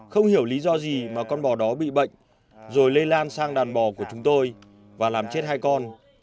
không hiểu lý do gì mà con bò đó bị bệnh rồi lây lan sang đàn bò của chúng tôi và làm chết hai con